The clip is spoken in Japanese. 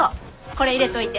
これ入れといて。